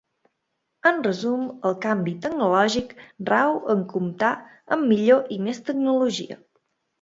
En resum, el canvi tecnològic rau en comptar amb millor i més tecnologia.